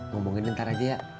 ngomongin ntar aja ya